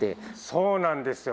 そうなんですよ。